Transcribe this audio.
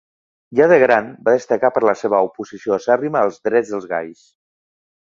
Ja de gran, va destacar per la seva oposició acèrrima als drets dels gais.